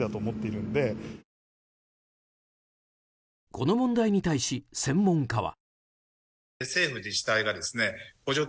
この問題に対し、専門家は。